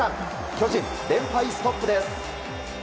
巨人、連敗ストップです。